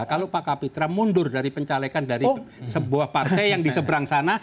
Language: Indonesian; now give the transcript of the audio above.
kalau pak kapitra mundur dari pencalekan dari sebuah partai yang di seberang sana